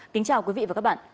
kính chào quý vị và các bạn